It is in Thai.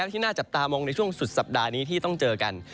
ที่น่าจับตามองในช่วงสุดสัปดาห์นี้ที่ต้องเจอกัน